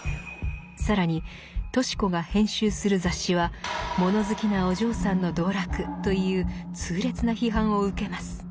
更にとし子が編集する雑誌は「物好きなお嬢さんの道楽」という痛烈な批判を受けます。